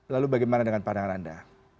lalu bagaimana dengan pandangan anda